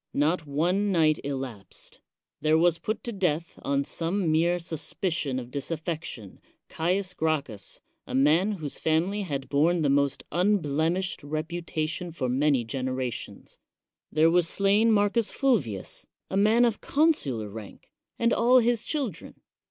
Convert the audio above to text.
Not one nigt elapsed. There was put to death, on some mei suspicion of disaffection, Caius Gracchus, a ma whose family had borne the most unblemishe reputation for many generations. There wj slain Marcus Fulvius, a man of consular rani and all his children.